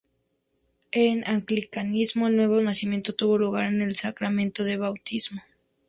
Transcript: En Anglicanismo, el nuevo nacimiento tuvo lugar con el sacramento de bautismo.